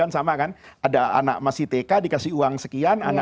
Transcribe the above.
sama kan ada anak masih tk dikasih uang sekian